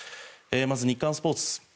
まず日刊スポーツ。